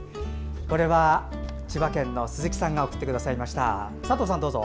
千葉県の鈴木さんが送ってくださいました。